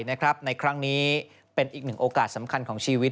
ในครั้งนี้เป็นอีกหนึ่งโอกาสสำคัญของชีวิต